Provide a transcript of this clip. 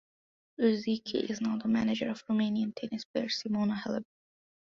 Ruzici is now the manager of Romanian tennis player Simona Halep.